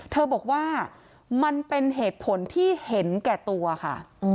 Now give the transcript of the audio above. เธอบอกว่ามันเป็นเหตุผลที่เห็นแก่ตัวค่ะ